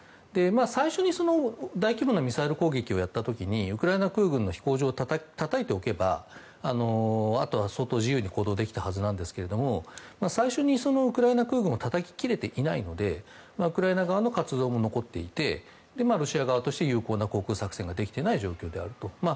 最初に大規模なミサイル攻撃をやった時にウクライナ空軍の飛行場をたたいておけばあとは相当、自由に行動できたはずなんですが最初にウクライナ空軍をたたき切れていないのでウクライナ側の活動も残っていてロシア側として有効な航空作戦ができていない状況だと。